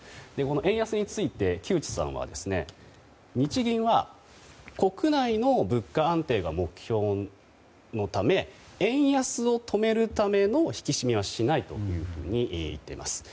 円安について木内さんは日銀は国内の物価安定が目標のため円安を止めるための引き締めはしないと言っています。